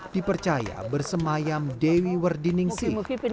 dipercaya bersemayam dewi werdiningsi